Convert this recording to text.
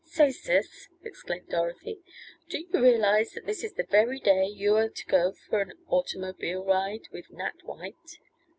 "Say, Sis!" exclaimed Dorothy. "Do you realize that this is the very day you are to go for an automobile ride with Nat White?"